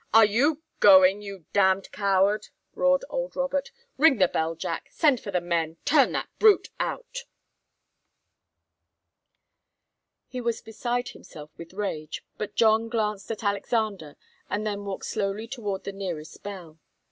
"Are you going, you damned coward?" roared old Robert. "Ring the bell, Jack send for the men turn that brute out " He was beside himself with rage, but John glanced at Alexander, and then walked slowly towards the nearest bell.